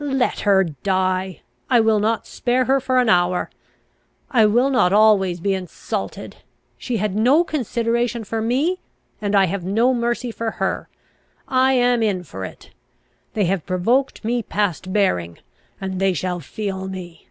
"Let her die! I will not spare her for an hour I will not always be insulted. She had no consideration for me, and I have no mercy for her. I am in for it! They have provoked me past bearing, and they shall feel me!